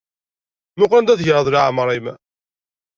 Muqel anida ara tegreḍ leεmeṛ-im.